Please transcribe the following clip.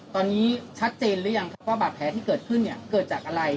ตอนนี้ชัดเจนหรือยังครับว่าบาดแผลที่เกิดขึ้นเนี่ยเกิดจากอะไร